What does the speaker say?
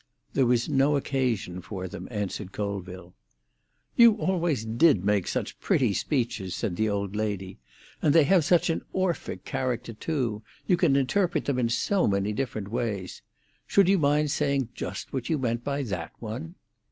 "There was no occasion for them," answered Colville. "You always did make such pretty speeches!" said the old lady. "And they have such an orphic character, too; you can interpret them in so many different ways. Should you mind saying just what you meant by that one?"